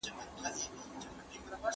مېوې د مور له خوا وچول کيږي!!